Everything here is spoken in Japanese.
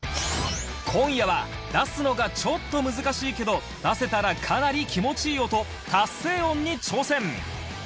今夜は出すのがちょっと難しいけど出せたらかなり気持ちいい音達成音に挑戦！